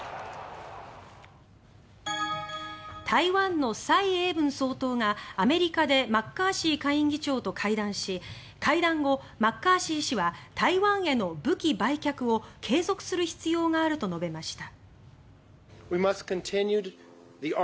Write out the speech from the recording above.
台湾の蔡英文総統がアメリカでマッカーシー下院議長と会談し会談後、マッカーシー氏は台湾への武器売却を継続する必要があると述べました。